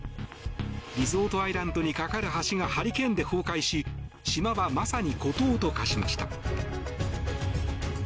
リゾートアイランドに架かる橋がハリケーンで崩壊し島はまさに孤島と化しました。